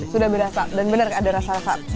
sudah berasa dan benar ada rasa khas